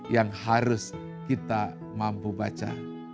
yang harus kita mampu baca